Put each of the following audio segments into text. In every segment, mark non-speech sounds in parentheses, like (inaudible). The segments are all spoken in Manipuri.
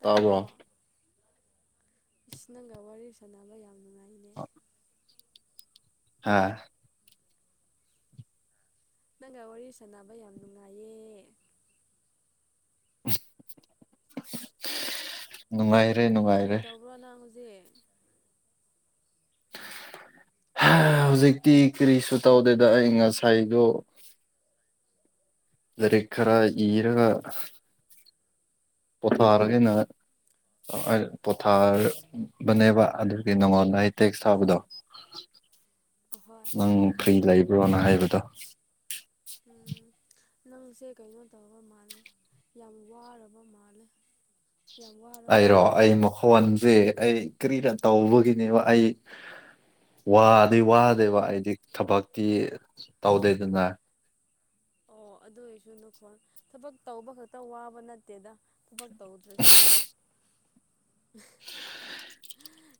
ꯇꯥꯔꯕꯣ ꯏꯁ ꯅꯪꯒ ꯋꯥꯔꯤ ꯁꯥꯟꯅꯕ ꯌꯥꯝ ꯅꯨꯡꯉꯥꯏꯅꯦ ꯍꯥ ꯅꯪꯒ ꯋꯥꯔꯤ ꯁꯥꯟꯅꯕ ꯌꯥꯝ ꯅꯨꯡꯉꯥꯏꯌꯦ ꯅꯨꯡꯉꯥꯏꯔꯦ ꯅꯨꯡꯉꯥꯏꯔꯦ ꯔꯣ ꯅꯪ ꯍꯧꯖꯤꯛ ꯍ ꯍꯧꯖꯤꯛꯇꯤ ꯀꯔꯤꯁꯨ ꯇꯧꯗꯦꯗ ꯑꯩ ꯉꯁꯥꯏꯗꯣ ꯂꯥꯏꯔꯤꯛ ꯈꯔ ꯎꯝ ꯏꯔꯒ ꯄꯊꯥꯔꯒꯩꯅ ꯄꯣꯊꯥꯕꯅꯦꯕ ꯑꯗꯨꯒꯤ ꯅꯉꯣꯟꯜꯗ ꯇꯦꯛꯁ ꯊꯥꯕꯗꯣ ꯑꯍꯣꯏ ꯅꯪ ꯐ꯭ꯔꯤ ꯂꯩꯕ꯭ꯔꯣꯅ ꯍꯥꯏꯕꯗꯣ ꯎꯝ ꯅꯪꯁꯦ ꯀꯩꯅꯣ ꯇꯧꯔꯕ ꯃꯥꯜꯂꯦ ꯌꯥꯝ ꯋꯥꯔꯕ ꯃꯥꯜꯂ ꯑꯩꯔꯣ ꯑꯩ ꯃꯈꯣ ꯐꯣꯟꯁꯦ ꯑꯩ ꯀꯔꯤꯔ ꯇꯧꯕꯒꯤꯅꯦꯕ ꯑꯩ ꯋꯥ ꯑꯗꯨ ꯀꯔꯤ ꯋꯥꯗꯦꯕ ꯑꯩꯗꯤ ꯊꯕꯛꯇꯤ ꯇꯧꯗꯦꯗꯅ ꯑꯣ ꯑꯗꯨ ꯑꯣꯏꯁꯨ ꯅꯨꯈꯣ ꯊꯕꯛ ꯇꯧꯕ ꯈꯛꯇ ꯋꯥꯕ ꯅꯠꯇꯦꯗ ꯊꯕꯛ ꯇꯧꯗ꯭ꯔꯁꯨ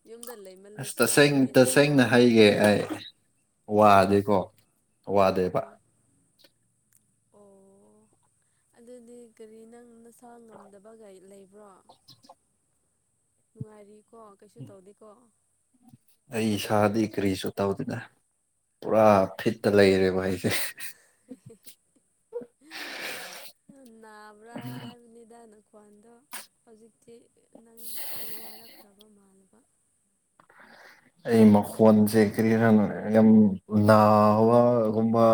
ꯌꯨꯝꯗ ꯑꯁ ꯂꯩꯃꯜꯂꯁꯨ ꯇꯁꯦꯡ ꯍꯥꯏꯗꯤ ꯑꯗꯨꯝ ꯇꯁꯦꯡꯅ ꯋꯥꯕꯗꯣ ꯍꯥꯏꯒꯦ ꯑꯩ ꯎꯝ ꯋꯥꯗꯤꯀꯣ ꯋꯥꯗꯦꯕ ꯎꯝ ꯑꯣ ꯑꯗꯨꯗꯤ ꯀꯔꯤ ꯅꯪ ꯅꯁꯥ ꯉꯝꯗꯕꯒꯒꯥ ꯂꯩꯕ꯭ꯔꯣ ꯅꯨꯡꯉꯥꯏꯔꯤꯀꯣ ꯀꯩꯁꯨ ꯇꯧꯗꯦꯀꯣ ꯑꯩ ꯏꯁꯥꯗꯤ ꯀꯔꯤꯁꯨ ꯇꯧꯗꯦꯅ ꯄꯨꯔꯥ ꯐꯤꯠꯇ ꯂꯩꯔꯦꯕ ꯑꯩꯁꯦ ꯍꯦꯍꯦꯍꯦ ꯑ ꯅꯥꯕ꯭ꯔꯥ ꯍꯥꯏꯕꯅꯤꯗ ꯅꯪ ꯈ꯭ꯋꯥꯟꯗꯣ ꯍꯧꯖꯤꯛꯇꯤ ꯅꯪ ꯈꯔ ꯋꯥꯔꯛꯈ꯭ꯔꯕ ꯃꯥꯟꯅꯕ ꯑꯩ ꯃꯈꯣꯟꯁꯦ ꯀꯔꯤ ꯍꯥꯏꯔꯣ ꯌꯥꯝ ꯅꯥꯕꯒꯨꯝꯕ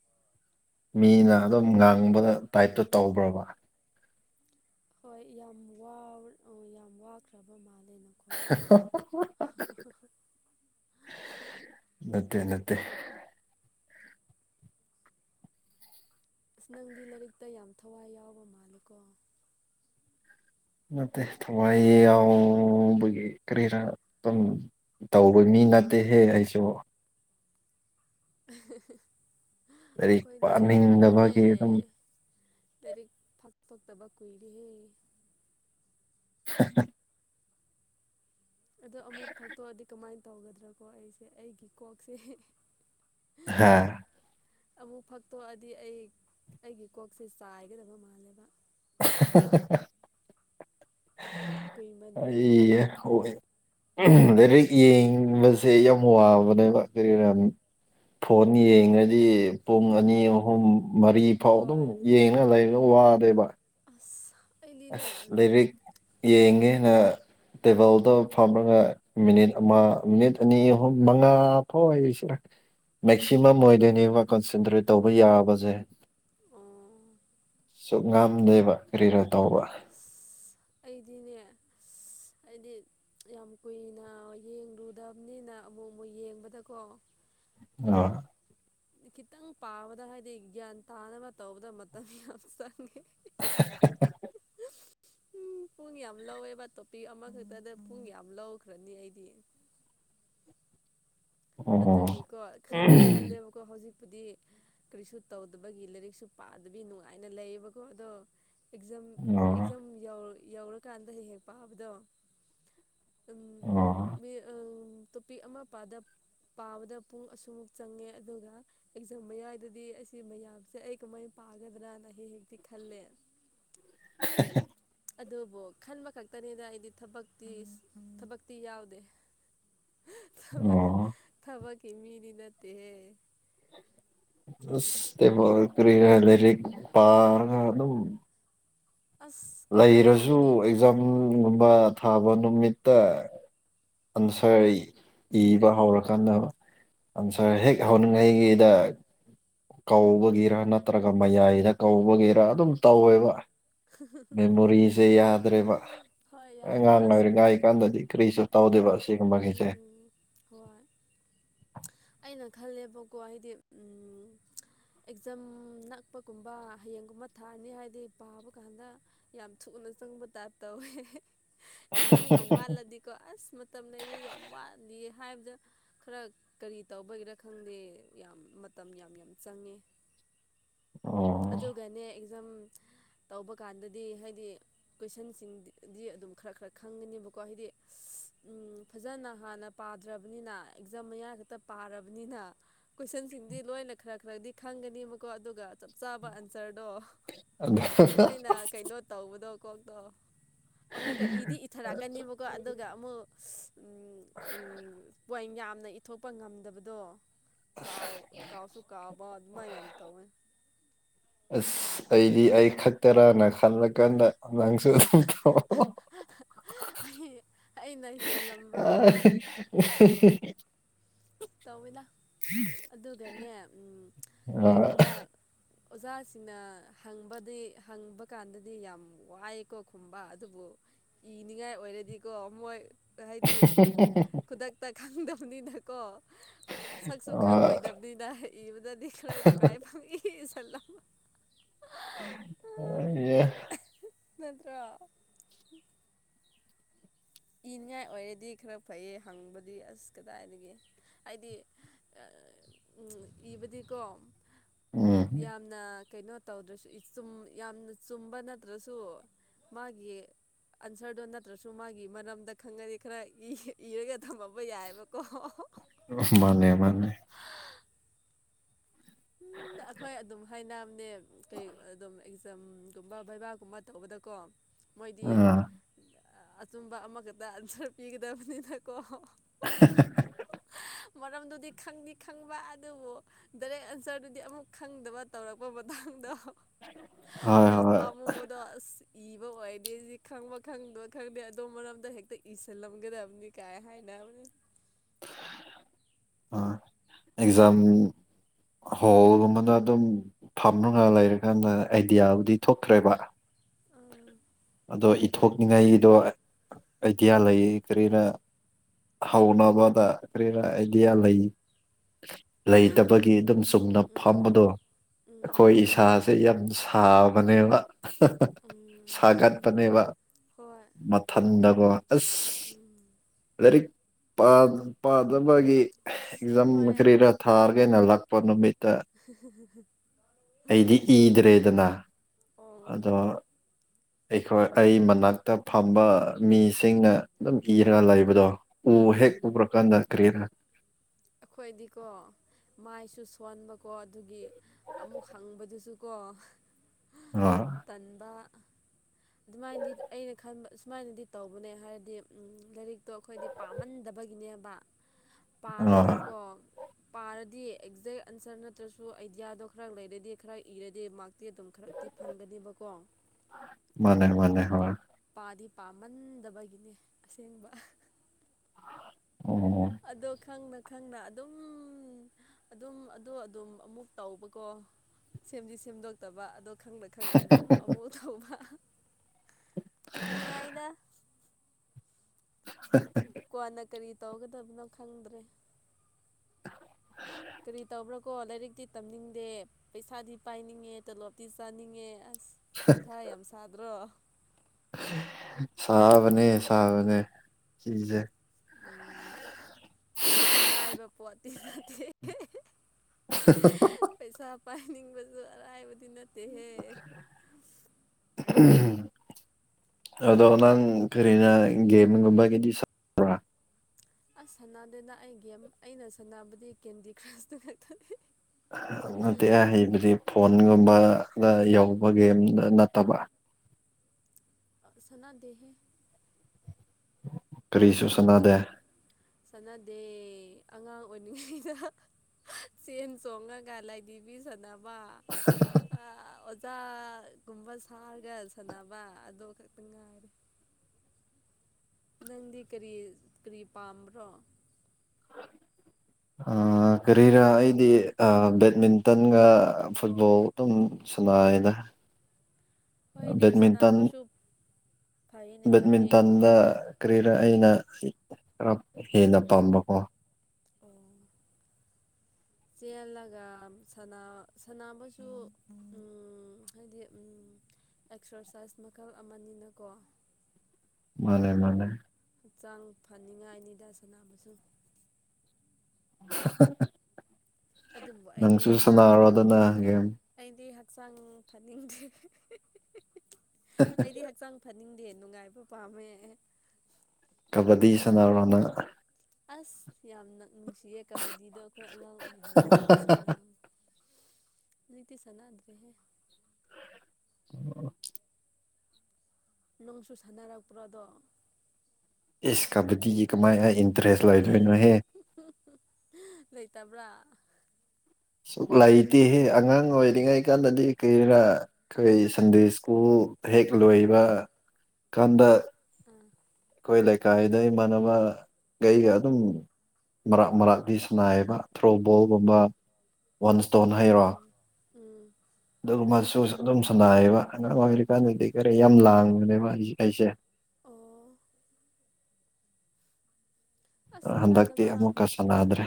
(inaudible) ꯃꯤꯅ ꯑꯗꯨꯝ ꯎꯝ ꯉꯥꯡꯕꯗ ꯇꯥꯏꯠꯇꯣ ꯇꯧꯕ꯭ꯔꯕ ꯍꯣꯏ ꯌꯥꯝ ꯌꯥꯝ ꯋꯥꯈ꯭ꯔꯕ ꯃꯥꯜꯂꯦꯅ ꯅꯠꯇꯦ ꯅꯠꯇꯦ ꯑꯁ ꯅꯪꯗꯤ ꯂꯥꯏꯔꯤꯛꯇ ꯌꯥꯝ ꯊꯋꯥꯏ ꯌꯥꯎꯕ ꯃꯥꯜꯂꯦ ꯀꯣ ꯅꯠꯇꯦ ꯊꯋꯥꯏ ꯌꯥꯎꯕꯒꯤ ꯀꯔꯤꯔꯥ ꯑꯗꯨꯝ ꯇꯧꯕ ꯃꯤ ꯅꯠꯇꯦꯍꯦ ꯑꯩꯁꯨ ꯂꯥꯏꯔꯤꯛ ꯑꯩꯈꯣꯏꯗꯤ ꯀꯨꯏꯔꯦꯍꯦ ꯄꯥꯅꯤꯡꯗꯕꯒꯤ ꯑꯗꯨꯝ ꯂꯥꯏꯔꯤꯛ ꯐꯛꯇꯣꯛꯇꯕ ꯀꯨꯏꯔꯦꯍꯦ (unintelligible) ꯑꯗꯣ ꯑꯃꯨꯛ ꯐꯛꯇꯣꯛꯑꯗꯤ ꯀꯃꯥꯏꯅ ꯇꯧꯒꯗ꯭ꯔꯥ ꯀꯣ ꯑꯩꯁꯦ ꯑꯩꯒꯤ ꯀꯣꯛꯁꯦ ꯍꯥꯥ ꯑꯃꯨꯛ ꯐꯛꯇꯣꯛꯑꯗꯤ ꯑꯩ ꯑꯩꯒꯤ ꯀꯣꯛꯁꯦ ꯆꯥꯏꯒꯗꯕ ꯃꯥꯜꯂꯦꯕ (unintelligible) ꯀꯨꯏꯃꯟꯕꯒꯤ ꯑꯩꯌ ꯍꯣꯏ ꯗꯨꯗꯩꯗ ꯌꯦꯡꯕꯁꯦ ꯌꯥꯝ ꯋꯥꯕꯅꯦꯕ ꯀꯔꯤꯔꯥ ꯐꯣꯟ ꯌꯦꯡꯉꯗꯤ ꯄꯨꯡ ꯑꯅꯤ ꯑꯍꯨꯝ ꯃꯔꯤ ꯐꯥꯎ ꯑꯗꯨꯝ ꯍꯣꯏ ꯌꯦꯡꯉ ꯂꯩꯔ ꯋꯥꯗꯦꯕ ꯑꯁ ꯑꯩꯗꯤꯅꯦ ꯑꯁ ꯂꯤꯔꯤꯛ ꯎꯝ ꯌꯦꯡꯉꯦꯅ ꯇꯦꯕꯜꯗꯣ ꯐꯝꯃꯒ ꯃꯤꯅꯤꯠ ꯑꯃ ꯃꯤꯅꯤꯠ ꯑꯅꯤ ꯑꯍꯨꯝ ꯃꯉꯥ ꯊꯣꯏꯁꯤꯔ ꯃꯦꯛꯁꯤꯃꯝ ꯑꯣꯏꯅꯅꯦꯕ ꯀꯟꯁꯦꯟꯇ꯭ꯔꯦꯠ ꯇꯧꯕ ꯌꯥꯕꯁꯦ ꯎꯝ ꯑꯁꯨꯛ ꯉꯥꯝꯗꯦꯕ ꯀꯔꯤꯔꯥ ꯇꯧꯕ ꯏꯁ ꯑꯩꯗꯤꯅꯦ ꯏꯂ ꯑꯩꯗꯤ ꯌꯥꯝ ꯀꯨꯏꯅ ꯌꯦꯡꯂꯨꯗꯕꯅꯤꯅ ꯑꯃꯨꯛ ꯑꯃꯨꯛ ꯌꯦꯡꯕꯗꯀꯣ ꯑꯥ ꯈꯤꯇꯪ ꯄꯥꯕꯗ ꯍꯥꯏꯗꯤ ꯒ꯭ꯌꯥꯟ ꯇꯥꯅꯕ ꯇꯧꯕꯗ ꯃꯇꯝ ꯌꯥꯝ ꯆꯪꯉꯦ (unintelligible) ꯎꯝ ꯄꯨꯡ ꯌꯥꯝ ꯂꯧꯋꯦꯕ ꯇꯣꯄꯤꯛ ꯑꯃꯈꯛꯇꯗ ꯄꯨꯡ ꯌꯥꯝ ꯂꯧꯈ꯭ꯔꯅꯤ ꯑꯩꯗꯤ ꯑꯣ ꯑꯗꯨꯒꯤꯀꯣ ꯈꯟꯗꯤ ꯈꯜꯂꯦꯕꯀꯣ ꯍꯧꯖꯤꯛꯄꯨꯗꯤ ꯀꯔꯤꯁꯨ ꯇꯧꯗꯕꯒꯤ ꯂꯥꯏꯔꯤꯛꯁꯨ ꯄꯥꯗꯕꯤ ꯅꯨꯡꯉꯥꯏꯅ ꯂꯩꯌꯦꯕꯀꯣ ꯑꯗꯣ ꯑꯦꯛꯖꯥꯝ ꯑꯣ ꯑꯦꯛꯖꯥꯝ ꯌꯧ ꯌꯧꯔꯀꯥꯟꯗ ꯍꯦꯛ ꯍꯦꯛ ꯄꯥꯕꯗꯣ ꯗꯨꯝ ꯑꯣ ꯃꯤ ꯑꯪ ꯇꯣꯄꯤꯛ ꯑꯃ ꯄꯥꯗꯞ ꯄꯥꯕꯗ ꯄꯨꯡ ꯑꯁꯨꯃꯨꯛ ꯆꯪꯉꯦ ꯑꯗꯨꯒ ꯑꯦꯛꯖꯥꯝ ꯃꯌꯥꯏꯗꯗꯤ ꯑꯁꯤ ꯃꯌꯥꯝꯁꯦ ꯑꯩ ꯀꯃꯥꯏꯅ ꯄꯥꯒꯗ꯭ꯔꯅ ꯍꯦꯛ ꯍꯦꯛꯇꯤ ꯈꯜꯂꯦ (unintelligible) ꯑꯗꯨꯕꯨ ꯈꯟꯕ ꯈꯛꯇꯅꯤꯗ ꯑꯩꯗꯤ ꯊꯕꯛꯇꯤ ꯊꯕꯛꯇꯤ ꯌꯥꯎꯗꯦ ꯊꯕꯛ ꯑꯣ ꯊꯕꯛꯀꯤ ꯃꯤꯗꯤ ꯅꯠꯇꯦꯍꯦ ꯇꯦꯕꯜ ꯀꯔꯤꯔꯥ ꯂꯩꯔꯤꯛ ꯄꯥꯔꯒ ꯑꯗꯨꯝ ꯑꯁ ꯀꯩꯅꯣ ꯂꯩꯔꯁꯨ ꯇꯧꯋꯤꯅꯦ ꯑꯦꯛꯖꯥꯝꯒꯨꯝꯕ ꯊꯥꯕ ꯅꯨꯃꯤꯠꯇ ꯑꯟꯁꯔ ꯏꯕ ꯍꯧꯔꯀꯥꯟꯗ ꯑꯟꯁꯔ ꯍꯦꯛ ꯍꯧꯅꯤꯡꯉꯥꯏꯒꯤꯗ ꯀꯧꯕꯒꯤꯔ ꯅꯠꯇ꯭ꯔꯒ ꯃꯌꯥꯏꯗ ꯀꯧꯕꯒꯤꯔ ꯑꯗꯨꯝ ꯇꯧꯋꯦꯕ ꯃꯦꯃꯣꯔꯤꯁꯦ ꯌꯥꯗ꯭ꯔꯦꯕ ꯍꯣꯏ ꯌꯥꯗ꯭ꯔꯦ ꯑꯉꯥꯡ ꯑꯁ ꯑꯣꯏꯔꯤꯉꯥꯏ ꯀꯥꯟꯗꯗꯤ ꯀꯔꯤꯁꯨ ꯇꯧꯗꯦꯕ ꯁꯤꯒꯨꯝꯕꯒꯤꯁꯦ ꯎꯝ ꯍꯣꯏ ꯑꯩꯅ ꯈꯜꯂꯦꯕꯀꯣ ꯍꯥꯏꯗꯤ ꯎꯝ ꯑꯦꯛꯖꯥꯝ ꯅꯛꯄꯒꯨꯝꯕ ꯍꯌꯦꯡꯒꯨꯝꯕ ꯊꯥꯔꯅꯤ ꯍꯥꯏꯗꯤ ꯄꯥꯕ ꯀꯥꯟꯗ ꯌꯥꯝ ꯊꯨꯅ ꯆꯪꯕ ꯇꯥꯏꯞ ꯇꯧꯋꯦ ꯑꯦꯛꯖꯥꯝ ꯌꯥꯝ ꯋꯥꯠꯂꯗꯤꯀꯣ ꯑꯁ ꯃꯇꯝ ꯂꯩꯔꯤ ꯌꯥꯝ ꯋꯥꯠꯂꯤ ꯍꯥꯏꯕꯗ ꯈꯔ ꯀꯔꯤ ꯇꯧꯕꯒꯤꯔꯥ ꯈꯪꯗꯦ ꯌꯥꯝ ꯃꯇꯝ ꯌꯥꯝ ꯌꯥꯝ ꯆꯪꯉꯦ ꯑꯣ ꯑꯗꯨꯒꯅꯦ ꯑꯦꯛꯖꯥꯝ ꯇꯧꯕ ꯀꯥꯟꯗꯗꯤ ꯍꯥꯏꯗꯤ ꯀꯣꯏꯁꯟꯁꯤꯡꯗꯤ ꯗꯤ ꯑꯗꯨꯝ ꯈꯔ ꯈꯔ ꯈꯪꯒꯅꯤꯕꯀꯣ ꯍꯥꯏꯗꯤ ꯎꯝ ꯐꯖꯅ ꯍꯥꯟꯅ ꯄꯥꯗ꯭ꯔꯕꯅꯤꯅ ꯑꯦꯛꯖꯥꯝ ꯃꯌꯥ ꯈꯛꯇ ꯄꯥꯔꯕꯅꯤꯅ ꯀꯣꯏꯁꯟꯁꯤꯡꯗꯤ ꯂꯣꯏꯅ ꯈꯔ ꯈꯔꯗꯤ ꯈꯪꯒꯅꯤꯕꯀꯣ ꯑꯗꯨꯒ ꯆꯞ ꯆꯥꯕ ꯑꯟꯁꯔꯗꯣ ꯑꯗꯨ ꯂꯣꯏꯅ ꯀꯩꯅꯣ ꯇꯧꯕꯗꯣ ꯀꯣꯛꯇꯣ ꯑꯃꯨꯛꯀ ꯏꯗꯤ ꯏꯊꯔꯛꯀꯅꯤꯕꯀꯣ ꯑꯗꯨꯒ ꯑꯃꯨꯛ ꯑꯁ ꯎꯝ ꯄꯣꯏꯟ ꯌꯥꯝꯅ ꯏꯊꯣꯛꯄ ꯉꯝꯗꯕꯗꯣ ꯀꯥꯎ ꯀꯥꯎꯁꯨꯨ ꯀꯥꯎꯕ ꯑꯗꯨꯃꯥꯏ ꯌꯥꯝ ꯇꯧꯋꯦ ꯑꯁ ꯑꯩꯗꯤ ꯑꯩ ꯈꯛꯇꯔꯥꯅ ꯈꯜꯂꯀꯥꯟꯗ ꯑꯉꯥꯡꯁꯨ ꯑꯗꯨꯝꯧ ꯑꯩꯅ ꯍꯦꯜꯂꯝ ꯑ ꯇꯧꯋꯅ ꯎꯝ ꯑꯗꯨꯒꯅꯦ ꯀꯩꯒꯨꯝꯕ ꯑꯣꯖꯥꯁꯤꯡꯅ ꯍꯪꯕꯗꯤ ꯍꯪꯕ ꯀꯥꯟꯗꯗꯤ ꯌꯥꯝ ꯋꯥꯏꯑꯀꯣ ꯈꯨꯝꯕ ꯑꯗꯨꯕꯨ ꯏꯅꯤꯡꯉꯥꯏ ꯑꯣꯏꯔꯗꯤꯀꯣ ꯃꯣꯏ ꯍꯥꯏꯗꯤ ꯈꯨꯗꯛꯇ ꯈꯪꯗꯕꯅꯤꯅꯀꯣ ꯁꯛꯁꯨ ꯑ ꯈꯪꯉꯣꯏꯗꯕꯅꯤꯅ ꯏꯕꯗꯗꯤ ꯈꯔ ꯇꯣꯀꯥꯏ ꯐꯪꯏ ꯐꯁ ꯑ ꯌꯦ ꯅꯠꯇ꯭ꯔ ꯏꯅꯤꯡꯉꯥꯏ ꯑꯣꯏꯔꯗꯤ ꯈꯔ ꯐꯩꯌꯦ ꯍꯪꯕꯗꯤ ꯑꯁ ꯀꯗꯥꯏꯗꯒꯤ ꯍꯥꯏꯗꯤ ꯎꯝ ꯏꯕꯗꯤꯀꯣ ꯎꯝ ꯌꯥꯝ ꯅ ꯀꯩꯅꯣ ꯇꯧꯗ꯭ꯔꯁꯨ ꯌꯥꯝꯅ ꯆꯨꯝꯕ ꯅꯠꯇ꯭ꯔꯁꯨ ꯃꯥꯒꯤ ꯑꯟꯁꯔꯗ ꯅ ꯍꯁꯨꯨꯃꯒꯤ ꯃꯅꯝꯗ ꯈꯪꯉꯗꯤ ꯈꯔ ꯏꯔꯒ ꯊꯝꯃꯕ ꯌꯥꯏꯑꯕꯀꯣ ꯃꯥꯅꯦ ꯃꯥꯅꯦ ꯑꯩꯈꯣꯏ ꯑꯗꯨꯝ ꯍꯥꯏꯅꯕꯝꯅꯦ ꯀꯩ ꯑꯗꯨꯝ ꯑꯦꯛꯖꯥꯝꯒꯨꯝꯕ ꯕꯩꯕꯥꯛꯒꯨꯝꯕ ꯇꯧꯕꯗꯀꯣ ꯃꯣꯏꯗꯤ ꯑꯥ ꯑꯆꯨꯝꯕ ꯑꯃꯈꯛꯇ ꯑꯟꯁꯔ ꯄꯤꯒꯗꯕꯅꯤꯅꯀꯣ (unintelligible) ꯃꯔꯝꯗꯨꯗꯤ ꯈꯪꯅꯤ ꯈꯪꯕ ꯑꯗꯨꯕꯨ ꯗꯥꯏꯔꯦꯛ ꯁꯔꯗꯨꯗꯤ ꯑꯃꯨꯛ ꯈꯪꯗꯕ ꯇꯧꯔꯛꯄ ꯃꯇꯥꯡꯗ ꯍꯣꯏ ꯌꯥꯝ ꯍꯣꯏ ꯄꯥꯝꯃꯨꯕꯗꯣ ꯑꯁ ꯏꯕ ꯑꯣꯏꯗꯦ ꯁꯤ ꯈꯪꯕ ꯈꯪꯗꯕ ꯈꯪꯗꯦ ꯑꯗꯨꯗꯣ ꯃꯔꯝꯗ ꯍꯦꯛꯇ ꯏꯁꯜ ꯂ ꯃꯒꯦꯗ ꯑꯕꯅꯤ ꯀꯥꯏ ꯍꯥꯏ ꯅ ꯑꯅꯤ ꯑ ꯑꯦꯛꯖꯝ ꯍꯣꯜꯒꯨꯝꯕꯅ ꯑꯗꯨꯝ ꯐꯝꯅꯉꯥꯏ ꯂꯩꯔꯀꯥꯟꯗ ꯑꯥꯏꯗꯤꯌꯥꯕꯨꯗꯤ ꯊꯣꯛꯇ꯭ꯔꯦꯕ ꯑꯥ ꯑꯗꯣ ꯏꯊꯣꯛꯅꯤꯡꯉꯥꯏꯒꯤꯗꯣ ꯑꯥꯏꯗꯤꯌꯥ ꯂꯩ ꯀꯔꯤꯅ ꯍꯥꯎꯅꯕꯗ ꯀ꯭ꯔꯦ ꯑꯥꯏꯗꯤꯌꯥ ꯂꯩꯏ ꯂꯩꯇꯕꯒꯤ ꯑꯗꯨꯝ ꯆꯨꯝꯅ ꯐ ꯎꯝ ꯑꯗꯣ ꯎꯝ ꯑꯩꯈꯣꯏ ꯏꯁꯥ ꯁꯤ ꯌꯥꯝ ꯁꯥꯕꯅꯦ ꯎꯝ ꯊꯥꯒꯠꯄꯅꯦꯕ ꯍꯣꯏ ꯃꯊꯟꯗꯀꯣ ꯑꯁ ꯎꯝ ꯂꯥꯏꯔꯤꯛ ꯄꯥꯗꯕꯒꯤ ꯑꯁ ꯑꯦꯛꯖꯥꯝ ꯍꯣꯏ ꯈꯔꯤꯔ ꯊꯥꯔꯒꯩꯅ ꯂꯥꯛꯄ ꯅꯨꯃꯤꯠꯇ ꯑꯩꯗꯤ ꯏꯗ꯭ꯔꯦꯗꯅ ꯑꯣ ꯑꯗꯣ ꯑꯩꯈꯣꯏ ꯑꯩ ꯃꯅꯥꯛꯇ ꯐꯝꯕ ꯃꯤꯁꯤꯡꯅ ꯑꯗꯨꯝ ꯏꯔꯒ ꯂꯩꯕꯗꯣ ꯑꯣ ꯍꯦꯛ ꯎꯝ ꯎ꯭ꯔꯀꯥꯟꯗ ꯀꯔꯤꯗ ꯑꯩꯈꯣꯏꯗꯤꯀꯣ ꯃꯥꯏꯁꯨ ꯁꯣꯟꯕꯀꯣ ꯑꯗꯨꯒꯤ ꯑꯃꯨꯛ ꯍꯪꯕꯗꯨꯁꯨ ꯀꯣ ꯑ ꯇꯟꯕ ꯑꯗꯨꯃꯥꯏꯅꯗꯤ ꯑꯩꯅ ꯈꯟꯕ ꯁꯨꯃꯥꯏꯅꯗꯤ ꯇꯧꯕꯅꯦ ꯍꯥꯏꯔꯗꯤ ꯂꯥꯏꯔꯤꯛꯇꯣ ꯑꯩꯈꯣꯏꯗꯤ ꯄꯥꯝꯃꯟꯗꯕꯒꯤꯅꯦꯕ ꯑ ꯄꯥꯔꯗꯤꯀꯣ ꯄꯥꯔꯗꯤ ꯑꯦꯛꯖꯦꯛ ꯑꯟꯁꯔ ꯅꯠꯇ꯭ꯔꯁꯨ ꯑꯥꯏꯗꯤꯌꯥꯗꯣ ꯈꯔ ꯂꯩꯔꯗꯤ ꯈꯔ ꯏꯔꯗꯤ ꯃꯥꯔ ꯇꯤ ꯑꯗꯨꯝ ꯈꯔꯛꯇꯤ ꯐꯪꯒꯅꯦꯕꯀꯣ ꯃꯥꯅꯦ ꯃꯥꯅꯦ ꯍꯣꯏ ꯄꯥꯗꯤ ꯄꯥꯝꯃꯟꯗꯕꯒꯤꯅꯦ ꯑꯁꯦꯡꯕ ꯑꯣ ꯑꯗꯣ ꯈꯪꯅ ꯈꯪꯅ ꯑꯗꯨꯝ ꯑꯗꯨꯝ ꯑꯗꯣ ꯑꯗꯨꯝ ꯑꯃꯨꯛ ꯇꯧꯕꯀꯣ ꯁꯦꯝꯖꯤ ꯁꯦꯝꯗꯣꯛꯇꯕ ꯑꯣ ꯈꯪꯗ ꯈꯪꯗ ꯑꯗꯨꯝ ꯑꯃꯨꯛ ꯇꯧꯕ ꯅꯨꯡꯉꯥꯏꯅ ꯍ ꯀꯣꯟꯅ ꯀꯔꯤ ꯇꯧꯒꯗꯕꯅꯣ ꯈꯪꯗ꯭ꯔꯦ ꯀꯔꯤ ꯇꯧꯕ꯭ꯔꯣ ꯀꯣ ꯂꯥꯏꯔꯤꯛꯇꯤ ꯇꯝꯅꯤꯡꯗꯦ ꯄꯩꯁꯥꯗꯤ ꯄꯥꯏꯅꯤꯡꯉꯦ ꯇꯂꯣꯞꯇꯤ ꯆꯥꯅꯤꯡꯉꯦ ꯑꯁ ꯃꯊꯥ ꯌꯥꯝ ꯁꯥꯗ꯭ꯔꯣ ꯁꯥꯕꯅꯦ ꯁꯥꯕꯅꯦ ꯁꯤꯁꯦ ꯎꯝꯔꯥꯏꯕꯄꯨ ꯇꯤꯟ ꯃꯇꯇ (unintelligible) ꯄꯩꯁꯥ ꯄꯥꯏꯅꯤꯡꯕꯁꯨ ꯑꯔꯥꯏꯕꯗꯤ ꯅꯠꯇꯦꯍꯦ (inaudible) ꯑꯗꯣ ꯅꯪ ꯀꯔꯤꯅ ꯒꯦꯝꯒꯨꯝꯕꯒꯤꯗꯤ ꯁ ꯑꯁ ꯁꯥꯟꯅꯗꯦꯅ ꯑꯩꯒꯤꯦꯝ ꯑꯩꯅ ꯁꯥꯟꯅꯕꯗꯤ ꯀꯦꯟꯗꯤ ꯀ꯭ꯔꯁꯇ ꯉꯥꯛꯛꯇꯅꯤ ꯅꯠꯇꯦ ꯑ ꯍꯩꯕꯗꯤ ꯐꯣꯟꯒꯨꯝꯕꯗ ꯌꯧꯕ ꯒꯦꯝꯗ ꯅꯠꯇꯕ ꯁꯅꯥꯗꯦꯍꯦ ꯀꯔꯤꯁꯨ ꯅꯪꯗꯤ ꯀꯔꯤ ꯁꯥꯟꯅꯗꯦ ꯆꯥꯟꯅꯗꯦ ꯑꯉꯥꯡ ꯑꯣꯏꯔꯤꯉꯩꯗ ꯆꯦꯟ ꯆꯣꯡꯉꯒ ꯂꯥꯏꯙꯤꯕꯤ ꯁꯅꯕ ꯆꯥꯒꯨꯝꯕ ꯁꯥꯔꯒ ꯁꯥꯟꯅꯕ ꯑꯗꯨꯗ ꯈꯛꯇꯪ ꯉꯥꯏꯔꯦ ꯅꯪꯗꯤ ꯀꯔꯤ ꯀꯔꯤ ꯄꯥꯝꯕ꯭ꯔꯣ ꯀꯔꯤꯔꯥ ꯑꯩꯗꯤ ꯕꯦꯠꯃꯤꯟꯇꯟꯒ ꯑꯣ ꯐꯨꯠꯕꯣꯜ ꯑꯣ ꯑꯗꯨꯝ ꯁꯉꯏꯗ ꯍꯣꯏꯅꯦꯁꯅꯥꯕꯁꯨ ꯕꯦꯠꯃꯤꯟꯇꯟꯗ ꯀꯔꯤꯔ ꯎꯝ ꯑꯩꯅ ꯈꯔ ꯍꯦꯟꯅ ꯄꯥꯝꯕꯀꯣ ꯑꯣ ꯆꯦꯜꯂꯒ ꯁꯅꯕꯁꯨ ꯍꯥꯏꯗꯤ ꯑꯦꯛꯁꯔꯁꯥꯏꯁ ꯃꯈꯜ ꯑꯃꯅꯤꯅꯀꯣ ꯃꯥꯅꯦ ꯃꯥꯅꯦ ꯍꯛꯆꯥꯡ ꯐꯅꯤꯡꯉꯥꯏꯅꯤꯗ ꯁꯥꯟꯅꯥꯅꯕꯁꯨ (unintelligible) ꯑꯗꯨꯕꯨ ꯑꯩꯗꯤ ꯅꯪꯁꯨ ꯍꯛꯆꯥꯡ ꯁꯥꯟꯅꯔꯣꯗꯅ ꯒꯦꯝ ꯑꯩꯗꯤ ꯍꯛꯆꯥꯡ ꯐꯅꯤꯡꯗꯦ ꯑꯩꯗꯤ ꯍꯛꯆꯥꯡ ꯐꯅꯤꯡꯗꯦ ꯅꯨꯡꯉꯥꯏꯕ ꯄꯥꯝꯃꯦ ꯀꯕꯗꯤ ꯁꯅꯥꯔꯅ ꯑꯁ ꯌꯥꯝꯅ ꯅꯨꯡꯁꯤꯌꯦ ꯀꯕꯗꯤꯗꯣ ꯑꯩꯈꯣꯏ ꯑꯉꯥꯡ ꯑꯣꯏꯔꯤꯉꯩꯗ ꯌꯥꯝ ꯁꯥꯟꯅꯝꯃꯤ ꯅꯇ ꯆꯅꯗ꯭ꯔꯦꯦ ꯑꯣꯝ ꯅꯪꯁꯨ ꯁꯥꯟꯅꯔꯛꯄ꯭ꯔꯣ ꯑꯗꯣ ꯏꯁ ꯀꯕꯗꯤꯒꯤ ꯀꯃꯥꯏ ꯏꯟꯇꯔꯦꯁ ꯂꯥꯏꯗꯣꯏꯅꯍꯦ ꯂꯩꯇꯕ꯭ꯔꯥ ꯁꯨꯛ ꯂꯩꯇꯦꯍꯦ ꯑꯉꯥꯡ ꯑꯣꯏꯔꯤꯉꯩ ꯀꯥꯟꯗꯗꯤ ꯀꯔꯤꯔꯥ ꯑꯩꯈꯣꯏ ꯑꯉꯥꯡ ꯁꯟꯗꯦ ꯁ꯭ꯀꯨꯜ ꯍꯦꯛ ꯑꯥ ꯂꯣꯏꯕ ꯀꯥꯟꯗ ꯑꯥ ꯑꯩꯈꯣꯏ ꯂꯩꯀꯥꯏꯗ ꯏꯃꯥꯟꯅꯕꯈꯩꯒ ꯑꯗꯨꯝ ꯃꯔꯥꯛ ꯃꯔꯥꯛꯗꯤ ꯁꯅꯥꯏꯌꯦꯕ ꯊ꯭ꯔꯣ ꯕꯣꯜꯒꯨꯝꯕ ꯋꯥꯟ ꯏꯁꯇꯣꯟ ꯍꯥꯏꯩꯔꯣ ꯎꯝ ꯎꯝ ꯑꯗꯨꯒꯨꯝꯕꯁꯨ ꯑꯗꯨꯝ ꯁꯅꯥꯏꯌꯦꯕ ꯑꯉꯥꯡ ꯑꯣꯏꯔꯤꯀꯥꯟꯗꯗꯤ ꯀꯔ ꯌꯥꯝ ꯂꯥꯡꯕꯅꯦꯕ ꯑꯩꯁꯦ ꯑꯩꯁꯦ ꯑꯣ ꯑꯁ ꯍꯟꯗꯛꯇꯤ ꯁꯥꯟꯅꯗꯕ ꯑꯃꯨꯛꯀ ꯆꯅꯗ꯭ꯔꯦ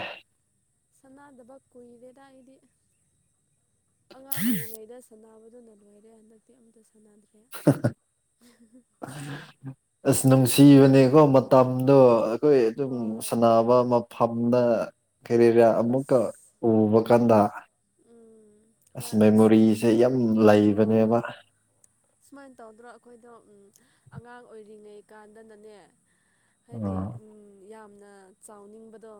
ꯁꯥꯟꯅꯗꯕ ꯀꯨꯏꯔꯦꯗ ꯑꯩꯗꯤ ꯑꯉꯥꯡ ꯑꯣꯏꯔꯤꯉꯩꯗ ꯁꯥꯟꯅꯕꯗꯨꯅ ꯂꯣꯏꯔꯦ ꯍꯟꯗꯛꯇꯤ ꯑꯃꯇ ꯁꯥꯟꯅꯗ꯭ꯔꯦ ꯍꯥ ꯍꯥ (unintelligible) ꯑ ꯑꯁ ꯅꯨꯡꯁꯤꯕꯅꯦꯀꯣ ꯃꯇꯝꯗꯣ ꯑꯩꯈꯣꯏ ꯑꯗꯨꯝ ꯍꯣꯏ ꯁꯥꯟꯅꯕ ꯐꯝꯅ ꯀꯩꯔꯔ ꯑꯃꯨꯛꯀ ꯑꯁ ꯎꯕ ꯀꯥꯟꯗ ꯎꯝ ꯑꯁ ꯍꯣꯏ ꯃꯦꯃꯣꯔꯤꯁꯦ ꯌꯥꯝ ꯍꯣꯏ ꯂꯩꯕꯅꯦꯕ ꯁꯨꯃꯥꯏꯅ ꯇꯧꯗ꯭ꯔꯣ ꯑꯩꯈꯣꯏꯗꯣ ꯑꯉꯥꯡ ꯑꯣꯏꯔꯤꯉꯩ ꯀꯥꯟꯗꯅꯅꯦ ꯍꯥꯏꯗꯤ ꯑꯥ ꯌꯥꯝꯅ ꯆꯥꯎꯅꯤꯡꯕꯗꯣ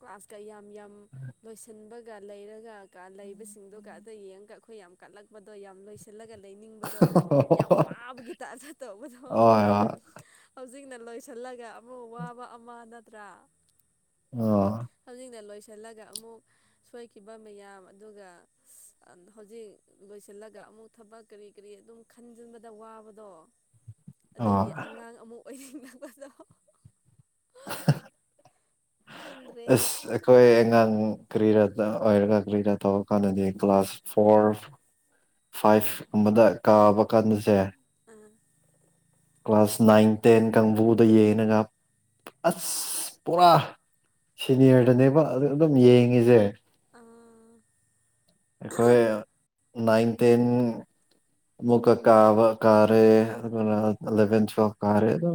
ꯀ꯭ꯂꯥꯁꯇ ꯌꯥꯝ ꯌꯥꯝ ꯂꯣꯏꯁꯤꯟꯕ ꯂꯩꯔꯒ ꯂꯩꯕꯁꯤꯡꯗꯨꯒ ꯑꯗ ꯌꯦꯡꯉꯒ ꯑꯩꯈꯣꯏ ꯌꯥꯝ ꯀꯠꯂꯛꯄꯗꯣ ꯌꯥꯝ ꯂꯣꯏꯁꯤꯜꯂꯒ ꯂꯩꯅꯤꯡ ꯗꯣ ꯌꯥꯝ ꯋꯥꯕ ꯒꯤꯇꯥ ꯆꯠꯇ ꯃꯗꯣ ꯍꯣꯏ ꯍꯣꯏ ꯍꯧꯖꯤꯛꯅ ꯂꯣꯏꯁꯤꯜꯂꯒ ꯑꯃꯨꯛ ꯋꯥꯕ ꯑꯃ ꯅꯠꯇ꯭ꯔꯥ ꯑꯣ ꯍꯧꯖꯤꯛꯅ ꯂꯣꯏꯁꯤꯜꯂꯒ ꯑꯃꯨꯛ ꯁꯣꯏꯈꯤꯕ ꯃꯌꯥꯝ ꯑꯗꯨꯒ ꯍꯧꯖꯤꯛ ꯂꯣꯏꯁꯤꯜꯂꯒ ꯑꯃꯨꯛ ꯊꯕꯛ ꯀꯔꯤ ꯀꯔꯤ ꯑꯗꯨꯝ ꯈꯟꯖꯤꯟꯕꯗ ꯋꯥꯕꯗꯣ ꯑꯗꯨꯒꯤ ꯑꯥ ꯑꯉꯥꯡ ꯑꯃ ꯑꯣꯏꯅꯤꯡꯅꯕꯗꯣ ꯑꯦ ꯈꯪꯗ꯭ꯔꯦꯍꯦ ꯑꯩꯈꯣꯏ ꯑꯉꯥꯡ ꯀꯔꯤꯔꯥ ꯑꯣꯏꯔꯒ ꯀꯔꯤꯔꯥ ꯇꯧꯧꯕꯔ ꯀꯥꯟꯗꯗꯤ ꯀ꯭ꯂꯥꯁ ꯐꯣꯔ ꯐꯥꯏꯚꯀꯨꯝꯕꯗ ꯀꯥꯕ ꯀꯥꯟꯗꯁꯦ ꯑꯥ ꯀ꯭ꯂꯥꯁ ꯅꯥꯏꯟ ꯇꯦꯟ ꯀꯥꯡꯕꯨꯗ ꯌꯦꯡꯉꯒ ꯑꯁ ꯄꯨꯔꯥ ꯐꯨꯡꯒꯥꯏ ꯅꯥꯕ꯭ꯔꯣ ꯁꯤꯅꯤꯌꯔꯗꯅꯦꯕ ꯑꯗꯨ ꯑꯗꯨꯝ ꯌꯦꯡꯉꯤꯁꯦ ꯑꯥ ꯑꯩꯈꯣꯏ ꯅꯥꯏꯟ ꯇꯦꯟ ꯑꯃꯨꯛꯀ ꯀꯥꯕ ꯀꯥꯔꯦ ꯑꯗꯨꯅ ꯑꯂꯕꯦꯟ ꯀꯥꯔꯦ ꯑꯗꯨ